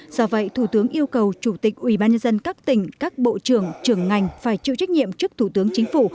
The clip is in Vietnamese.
do vậy thủ tướng yêu cầu chủ tịch ubnd các tỉnh các bộ trưởng trưởng ngành phải chịu trách nhiệm trước thủ tướng chính phủ